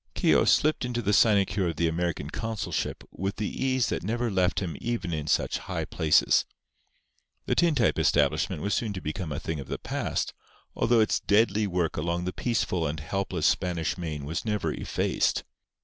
Keogh slipped into the sinecure of the American consulship with the ease that never left him even in such high places. The tintype establishment was soon to become a thing of the past, although its deadly work along the peaceful and helpless Spanish Main was never effaced.